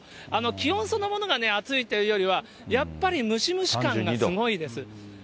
気温そのものが暑いというよりは、やっぱり、ムシムシ感がすごいです。